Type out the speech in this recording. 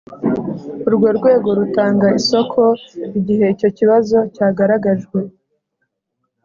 Urwego rutanga isoko igihe icyo kibazo cyagaragajwe